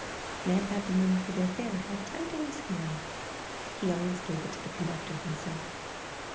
Ned had the money for their fare held tight in his hand — he always gave it to the conductor himself.